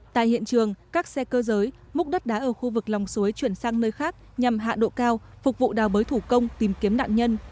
tại hiện trường các xe cơ giới múc đất đá ở khu vực lòng suối chuyển sang nơi khác nhằm hạ độ cao phục vụ đào bới thủ công tìm kiếm nạn nhân